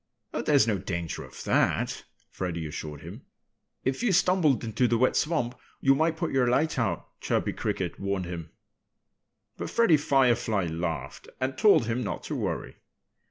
"Oh, there's no danger of that!" Freddie assured him. "If you stumbled into the wet swamp you might put your light out," Chirpy Cricket warned him. But Freddie Firefly laughed and told him not to worry.